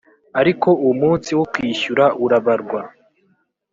ariko umunsi wo kwishyura urabarwa